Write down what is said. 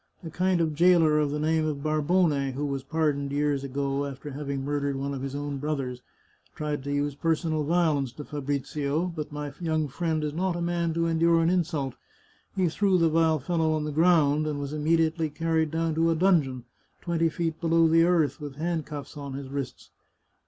A kind of jailer of the name of Barbone, who was pardoned years ago, after having murdered one of his own brothers, tried to use personal violence to Fabrizio, but my young friend is not a man to endure an insult. He threw the vile fellow on the ground, and was immediately carried down to a dungeon, twenty feet below the earth, with handcuffs on his wrists."